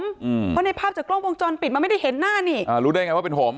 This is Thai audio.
เพราะในภาพจากกล้องวงจรปิดมันไม่ได้เห็นหน้านี่อ่ารู้ได้ไงว่าเป็นผม